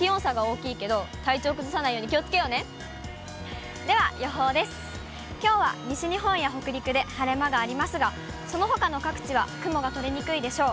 きょうは西日本や北陸で晴れ間がありますが、そのほかの各地は雲が取れにくいでしょう。